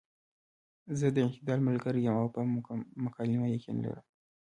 زۀ د اعتدال ملګرے يم او پۀ مکالمه يقين لرم -